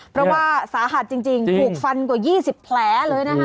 เพราะว่าสาหัสจริงถูกฟันกว่า๒๐แผลเลยนะคะ